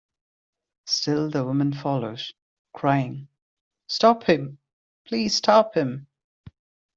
Still the woman follows, crying, "Stop him, please stop him!"